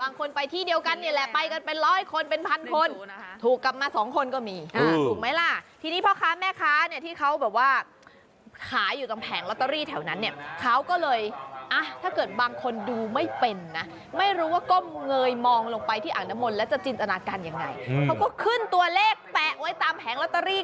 บางคนไปที่เดียวกันเนี่ยแหละไปกันเป็นร้อยคนเป็นพันคนถูกกลับมาสองคนก็มีถูกไหมล่ะทีนี้พ่อค้าแม่ค้าเนี่ยที่เขาแบบว่าขายอยู่ตรงแผงลอตเตอรี่แถวนั้นเนี่ยเขาก็เลยอ่ะถ้าเกิดบางคนดูไม่เป็นนะไม่รู้ว่าก้มเงยมองลงไปที่อ่างน้ำมนต์แล้วจะจินตนาการยังไงเขาก็ขึ้นตัวเลขแปะไว้ตามแผงลอตเตอรี่